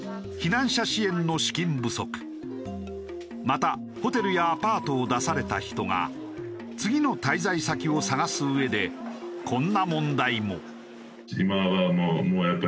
またホテルやアパートを出された人が次の滞在先を探すうえでこんな問題も。